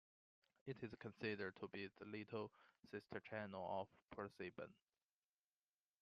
It is considered to be the little sister channel of ProSieben.